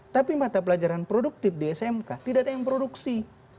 tapi mata pelajaran produktif di smk tidak ada yang produksi